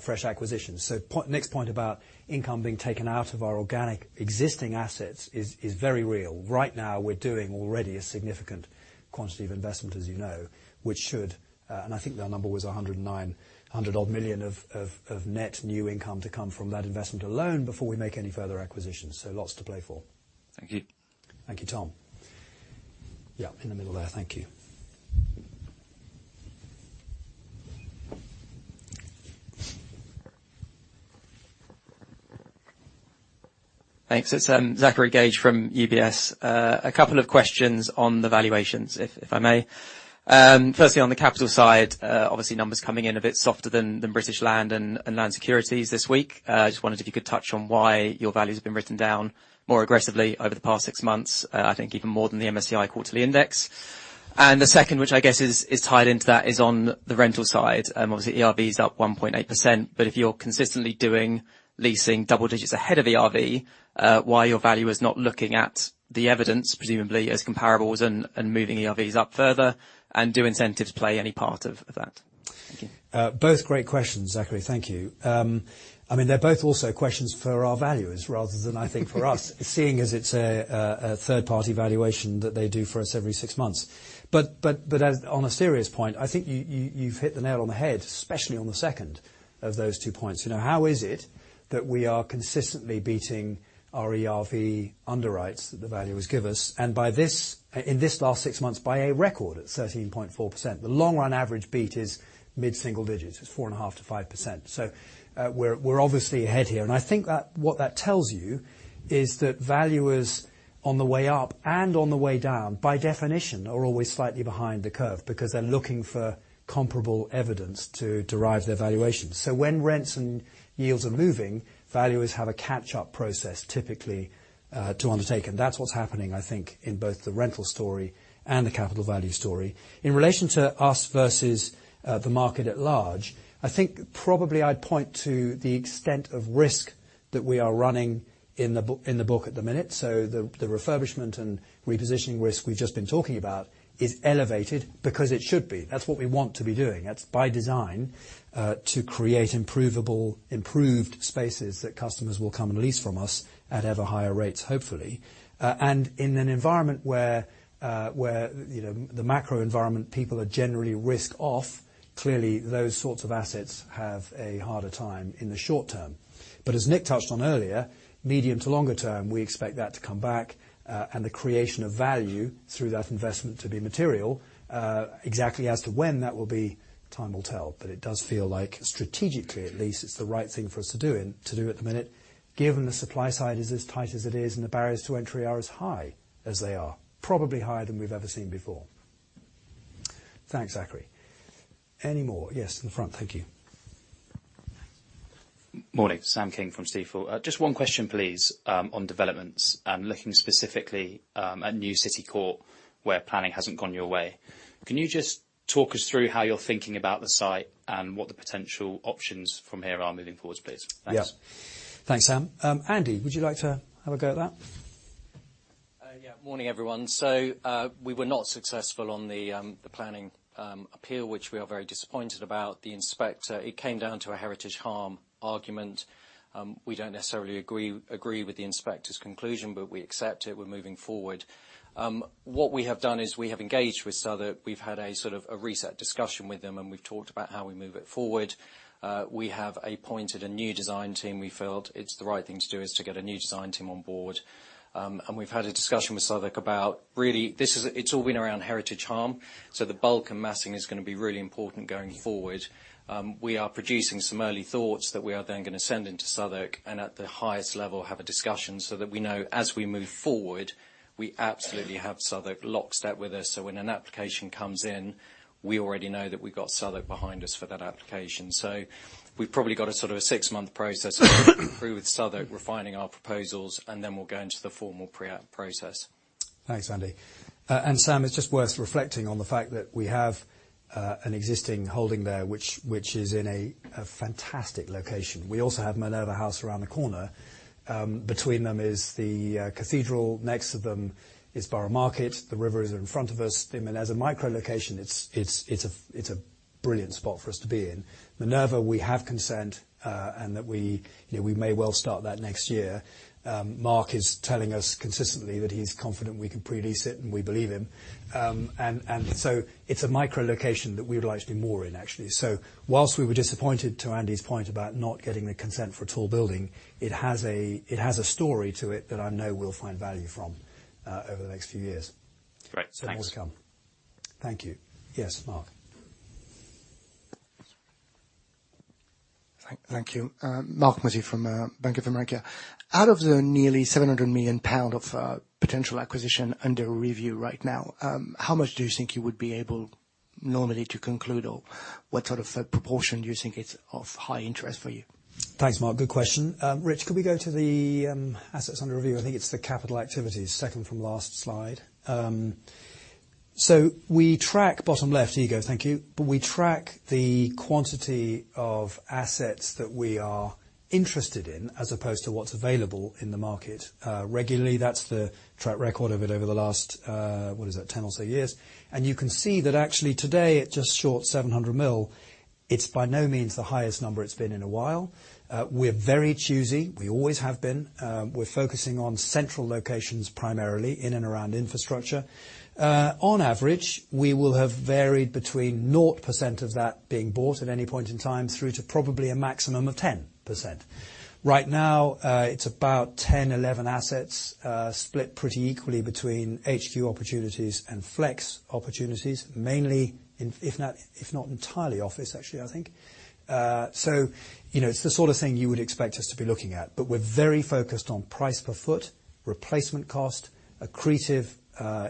fresh acquisitions. So Nick's point about income being taken out of our organic existing assets is very real. Right now, we're doing already a significant quantity of investment, as you know, which should, and I think that number was 109, 100-odd million of net new income to come from that investment alone, before we make any further acquisitions. So lots to play for. Thank you. Thank you, Tom. Yeah, in the middle there. Thank you. Thanks. It's Zachary Gauge from UBS. A couple of questions on the valuations, if I may. Firstly, on the capital side, obviously numbers coming in a bit softer than British Land and Land Securities this week. Just wondered if you could touch on why your values have been written down more aggressively over the past six months, I think even more than the MSCI quarterly index. And the second, which I guess is tied into that, is on the rental side. Obviously, ERV is up 1.8%, but if you're consistently doing leasing double digits ahead of ERV, why your valuers not looking at the evidence, presumably as comparables, and moving ERVs up further, and do incentives play any part of that? Both great questions, Zachary. Thank you. I mean, they're both also questions for our valuers, rather than, I think, for us, seeing as it's a third-party valuation that they do for us every six months. But as on a serious point, I think you've hit the nail on the head, especially on the second of those two points. You know, how is it that we are consistently beating our ERV underwrites that the valuers give us, and in this last six months, by a record at 13.4%. The long run average beat is mid-single digits. It's 4.5%-5%, so we're obviously ahead here, and I think that what that tells you is that valuers on the way up and on the way down, by definition, are always slightly behind the curve, because they're looking for comparable evidence to derive their valuations. So when rents and yields are moving, valuers have a catch-up process, typically, to undertake, and that's what's happening, I think, in both the rental story and the capital value story. In relation to us versus the market at large, I think probably I'd point to the extent of risk that we are running in the book, in the book at the minute. So the refurbishment and repositioning risk we've just been talking about is elevated because it should be. That's what we want to be doing. That's by design, to create improvable, improved spaces that customers will come and lease from us at ever higher rates, hopefully. And in an environment where, you know, the macro environment, people are generally risk-off, clearly, those sorts of assets have a harder time in the short term. But as Nick touched on earlier, medium to longer term, we expect that to come back, and the creation of value through that investment to be material. Exactly as to when that will be, time will tell, but it does feel like strategically, at least, it's the right thing for us to do and to do at the minute, given the supply side is as tight as it is, and the barriers to entry are as high as they are. Probably higher than we've ever seen before. Thanks, Zachary. Any more? Yes, in the front. Thank you. Morning. Sam King from Stifel. Just one question, please, on developments, and looking specifically at New City Court, where planning hasn't gone your way. Can you just talk us through how you're thinking about the site and what the potential options from here are moving forward, please? Thanks. Yeah. Thanks, Sam. Andy, would you like to have a go at that? Yeah, morning, everyone. So, we were not successful on the planning appeal, which we are very disappointed about. The inspector, it came down to a heritage harm argument. We don't necessarily agree with the inspector's conclusion, but we accept it. We're moving forward. What we have done is we have engaged with Southwark. We've had a sort of a reset discussion with them, and we've talked about how we move it forward. We have appointed a new design team. We felt it's the right thing to do, is to get a new design team on board. And we've had a discussion with Southwark about, really, this is it's all been around heritage harm, so the bulk and massing is gonna be really important going forward. We are producing some early thoughts that we are then gonna send into Southwark, and at the highest level, have a discussion so that we know as we move forward, we absolutely have Southwark lockstep with us, so when an application comes in, we already know that we've got Southwark behind us for that application. So we've probably got a sort of a six-month process through with Southwark, refining our proposals, and then we'll go into the formal pre-app process. Thanks, Andy. And Sam, it's just worth reflecting on the fact that we have an existing holding there, which is in a fantastic location. We also have Minerva House around the corner. Between them is the cathedral. Next to them is Borough Market. The river is in front of us. I mean, as a micro-location, it's a brilliant spot for us to be in. Minerva, we have consent, and that we, you know, we may well start that next year. Marc is telling us consistently that he's confident we can pre-lease it, and we believe him. And so it's a micro-location that we would like to do more in, actually. So while we were disappointed, to Andy's point, about not getting the consent for a tall building, it has a story to it that I know we'll find value from over the next few years. Great. Thanks. More to come. Thank you. Yes, Marc? Thank you. Marc Mozzi from Bank of America. Out of the nearly 700 million pound of potential acquisition under review right now, how much do you think you would be able, normally, to conclude, or what sort of a proportion do you think it's of high interest for you? Thanks, Marc. Good question. Rich, could we go to the assets under review? I think it's the capital activity, second from last slide. So we track bottom left. There you go. Thank you. We track the quantity of assets that we are interested in, as opposed to what's available in the market regularly. That's the track record of it over the last what is that? 10 or so years. You can see that actually today, it just short 700 million. It's by no means the highest number it's been in a while. We're very choosy. We always have been. We're focusing on central locations, primarily in and around infrastructure. On average, we will have varied between 0% of that being bought at any point in time through to probably a maximum of 10%. Right now, it's about 10, 11 assets, split pretty equally between HQ opportunities and flex opportunities. Mainly, if not entirely office, actually, I think. So, you know, it's the sort of thing you would expect us to be looking at, but we're very focused on price per ft, replacement cost, accretive,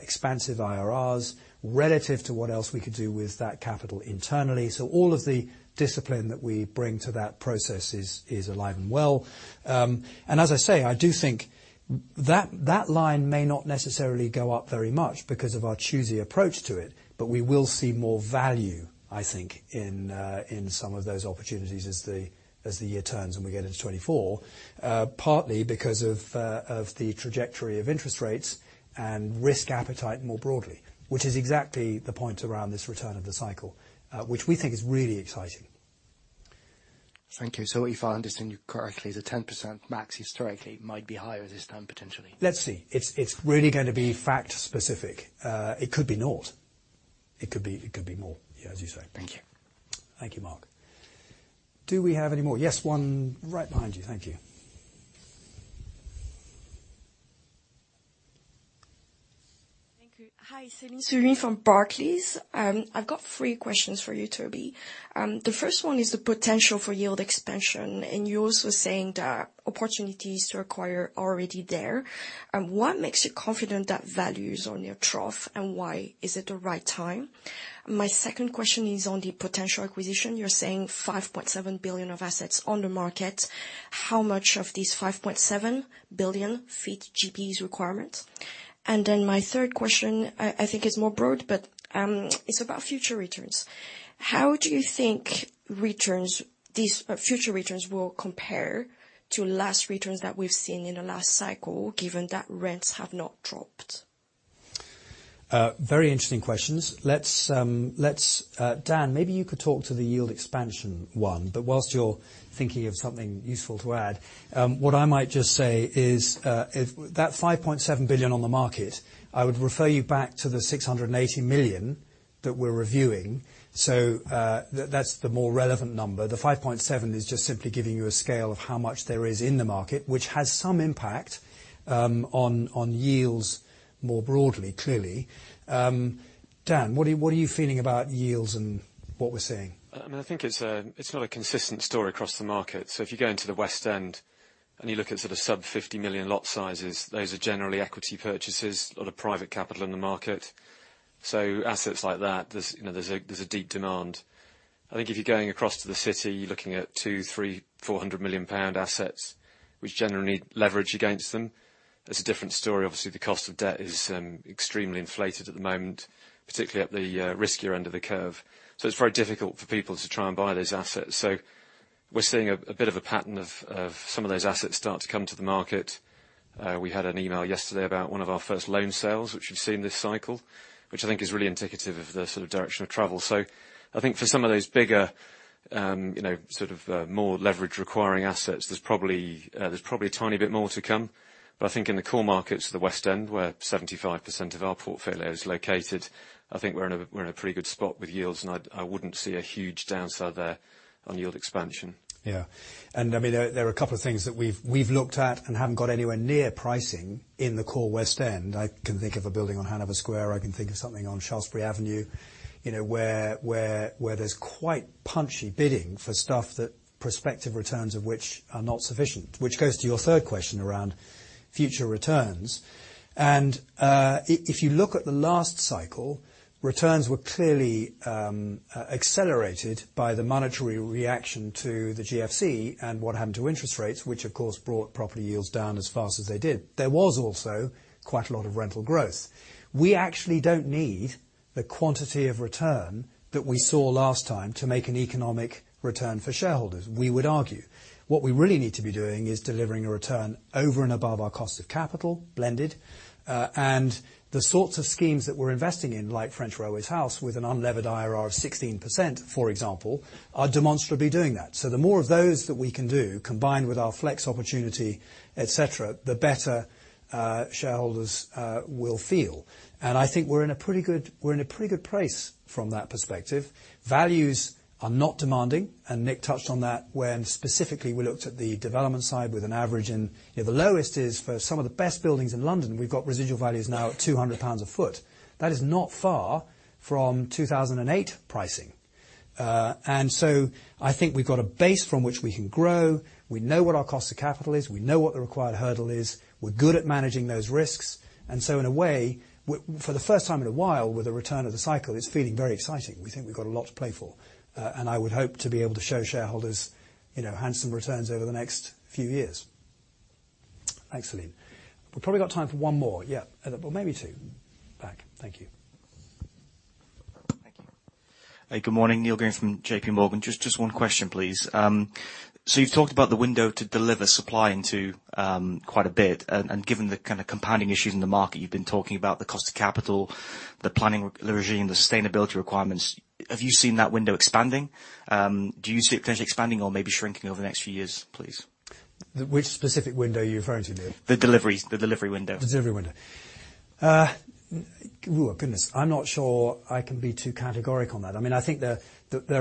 expansive IRRs, relative to what else we could do with that capital internally. So all of the discipline that we bring to that process is alive and well. And as I say, I do think that that line may not necessarily go up very much because of our choosy approach to it, but we will see more value, I think, in some of those opportunities as the year turns and we get into 2024. Partly because of the trajectory of interest rates and risk appetite more broadly, which is exactly the point around this return of the cycle, which we think is really exciting. Thank you. So if I understand you correctly, the 10% max historically might be higher this time, potentially? Let's see. It's, it's really going to be fact-specific. It could be nought. It could be, it could be more, yeah, as you say. Thank you. Thank you, Marc. Do we have any more? Yes, one right behind you. Thank you. Thank you. Hi, Celine, Celine from Barclays. I've got three questions for you, Toby. The first one is the potential for yield expansion, and you're also saying that opportunities to acquire are already there. And what makes you confident that values on your trough, and why is it the right time? My second question is on the potential acquisition. You're saying 5.7 billion of assets on the market. How much of these 5.7 billion fit GPE's requirements? And then my third question, I think is more broad, but, it's about future returns. How do you think returns, these future returns, will compare to last returns that we've seen in the last cycle, given that rents have not dropped? Very interesting questions. Let's, Dan, maybe you could talk to the yield expansion one, but while you're thinking of something useful to add, what I might just say is, if that 5.7 billion on the market, I would refer you back to the 680 million that we're reviewing. So, that, that's the more relevant number. The 5.7 is just simply giving you a scale of how much there is in the market, which has some impact, on, on yields more broadly, clearly. Dan, what are you, what are you feeling about yields and what we're seeing? I think it's not a consistent story across the market. So if you go into the West End and you look at sort of sub-GBP 50 million lot sizes, those are generally equity purchases, a lot of private capital in the market. So assets like that, there's, you know, there's a deep demand. I think if you're going across to the City, you're looking at 200 million, 300 million, 400 million pound assets, which generally leverage against them. That's a different story. Obviously, the cost of debt is extremely inflated at the moment, particularly at the riskier end of the curve. So it's very difficult for people to try and buy those assets. So we're seeing a bit of a pattern of some of those assets start to come to the market. We had an email yesterday about one of our first loan sales, which you've seen this cycle, which I think is really indicative of the sort of direction of travel. So I think for some of those bigger, you know, sort of, more leverage-requiring assets, there's probably, there's probably a tiny bit more to come. But I think in the core markets, the West End, where 75% of our portfolio is located, I think we're in a, we're in a pretty good spot with yields, and I'd, I wouldn't see a huge downside there on yield expansion. Yeah. I mean, there are a couple of things that we've looked at and haven't got anywhere near pricing in the core West End. I can think of a building on Hanover Square. I can think of something on Shaftesbury Avenue, you know, where there's quite punchy bidding for stuff that prospective returns of which are not sufficient, which goes to your third question around future returns. If you look at the last cycle, returns were clearly accelerated by the monetary reaction to the GFC and what happened to interest rates, which, of course, brought property yields down as fast as they did. There was also quite a lot of rental growth. We actually don't need the quantity of return that we saw last time to make an economic return for shareholders, we would argue. What we really need to be doing is delivering a return over and above our cost of capital, blended, and the sorts of schemes that we're investing in, like French Railways House, with an unlevered IRR of 16%, for example, are demonstrably doing that. So the more of those that we can do, combined with our flex opportunity, et cetera, the better, shareholders will feel. And I think we're in a pretty good, we're in a pretty good place from that perspective. Values are not demanding, and Nick touched on that when specifically we looked at the development side with an average in... You know, the lowest is for some of the best buildings in London. We've got residual values now at £200 a sq ft. That is not far from 2008 pricing. And so I think we've got a base from which we can grow. We know what our cost of capital is. We know what the required hurdle is. We're good at managing those risks. And so, in a way, for the first time in a while, with the return of the cycle, it's feeling very exciting. We think we've got a lot to play for, and I would hope to be able to show shareholders, you know, handsome returns over the next few years. Thanks, Celine. We've probably got time for one more. Yeah, well, maybe two. Back. Thank you. Thank you. Hey, good morning, Neil Green from JPMorgan. Just one question, please. So you've talked about the window to deliver supply into quite a bit. And given the kind of compounding issues in the market, you've been talking about the cost of capital, the planning regime, the sustainability requirements. Have you seen that window expanding? Do you see it potentially expanding or maybe shrinking over the next few years, please? Which specific window are you referring to, Neil? The delivery window. The delivery window. Goodness, I'm not sure I can be too categorical on that. I mean, I think there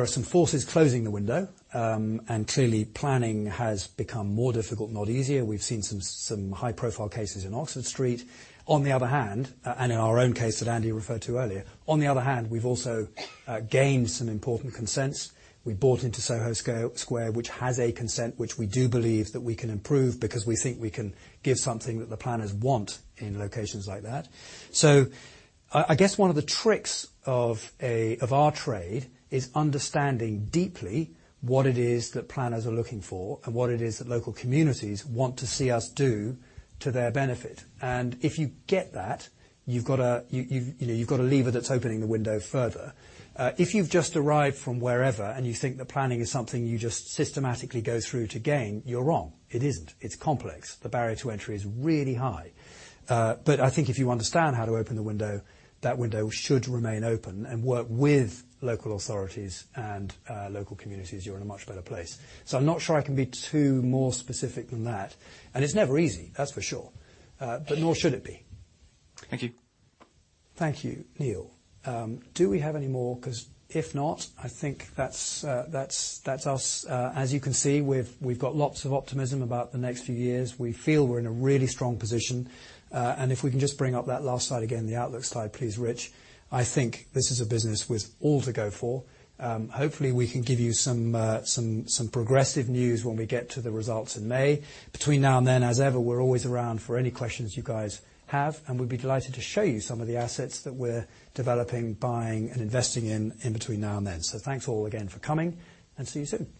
are some forces closing the window, and clearly planning has become more difficult, not easier. We've seen some high-profile cases in Oxford Street. On the other hand, and in our own case that Andy referred to earlier, on the other hand, we've also gained some important consents. We bought into Soho Square, which has a consent, which we do believe that we can improve because we think we can give something that the planners want in locations like that. So I guess one of the tricks of our trade is understanding deeply what it is that planners are looking for and what it is that local communities want to see us do to their benefit. And if you get that, you know, you've got a lever that's opening the window further. If you've just arrived from wherever, and you think that planning is something you just systematically go through to gain, you're wrong. It isn't. It's complex. The barrier to entry is really high. But I think if you understand how to open the window, that window should remain open and work with local authorities and local communities, you're in a much better place. So I'm not sure I can be too more specific than that, and it's never easy, that's for sure, but nor should it be. Thank you. Thank you, Neil. Do we have any more? 'Cause if not, I think that's us. As you can see, we've got lots of optimism about the next few years. We feel we're in a really strong position, and if we can just bring up that last slide again, the outlook slide, please, Rich. I think this is a business with all to go for. Hopefully, we can give you some progressive news when we get to the results in May. Between now and then, as ever, we're always around for any questions you guys have, and we'd be delighted to show you some of the assets that we're developing, buying, and investing in, in between now and then. So thanks all again for coming, and see you soon.